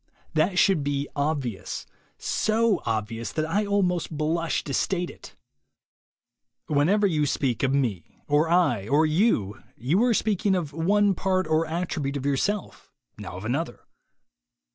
That should be obvious, so obvious that I almost blush to state it. Whenever you speak of Me, or I, or You, you are speaking now of one part or attribute of yourself, now of another.